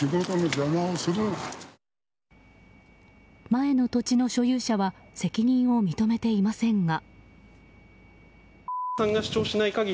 前の土地の所有者は責任を認めていませんが。